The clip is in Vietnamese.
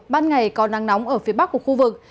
ban ngày có nắng nóng ở phía bắc của khu vực